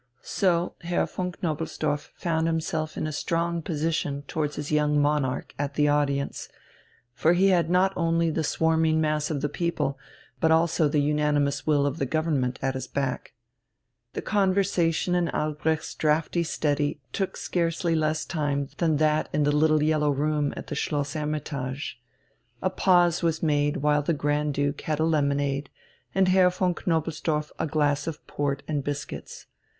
So Herr von Knobelsdorff found himself in a strong position towards his young Monarch at the audience; for he had not only the swarming mass of the people, but also the unanimous will of the Government at his back. The conversation in Albrecht's draughty study took scarcely less time than that in the little yellow room at Schloss "Hermitage." A pause was made while the Grand Duke had a lemonade and Herr von Knobelsdorff a glass of port and biscuits.